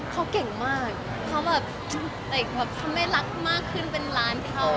เขาเก่งมากเขาแบบเขาไม่รักมากขึ้นเป็นร้านเขา